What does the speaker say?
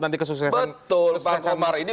nanti kesuksesan betul pak omar ini